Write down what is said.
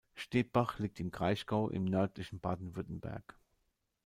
Stebbach liegt im Kraichgau im nördlichen Baden-Württemberg.